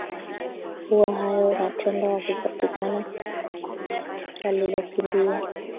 huwa hayo matendo wakipatikana walikokimbia